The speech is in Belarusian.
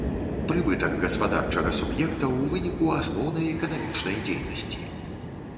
Прыбытак гаспадарчага суб'екта ў выніку асноўнай эканамічнай дзейнасці.